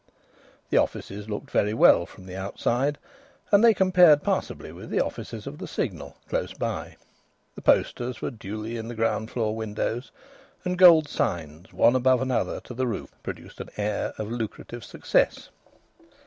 The offices looked very well from the outside, and they compared passably with the offices of the Signal close by. The posters were duly in the ground floor windows, and gold signs, one above another to the roof, produced an air of lucrative success.